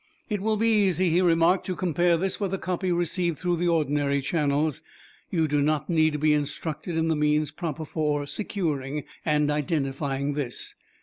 "It will be easy," he remarked, "to compare this with a copy received through the ordinary channels. You do not need to be instructed in the means proper for securing and identifying this.